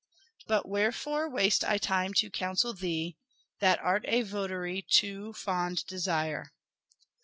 But wherefore waste I time to counsel thee That art a votary to Fond Desire?